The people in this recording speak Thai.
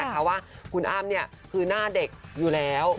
ขอบคุณอ้ามเนี่ยคือหน้าเด็กอยู่แล้ว